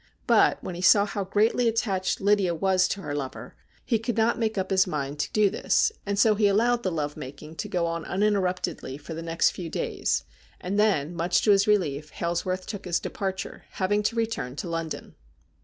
But when he saw how greatly attached Lydia was to her lover THE BELL OF DOOM 253 lie could not make up his mind to do this, and so he allowed the love making to go on uninterruptedly for the next few days, and then, much to his relief, Hailsworth took his departure, having to return to London.